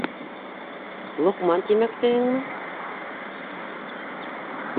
Лоҡман тимәксеһеңме?